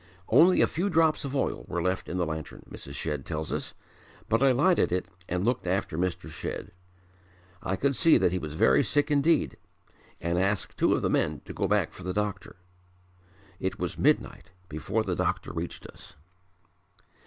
"Only a few drops of oil were left in the lantern," Mrs. Shedd tells us, "but I lighted it and looked at Mr. Shedd. I could see that he was very sick indeed and asked two of the men to go back for the doctor. It was midnight before the doctor reached us.